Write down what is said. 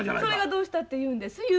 それがどうしたって言うんです。